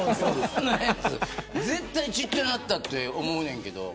絶対ちっちゃなったって思うねんけど。